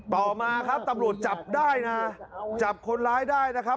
ต่อมาครับตำรวจจับได้นะจับคนร้ายได้นะครับ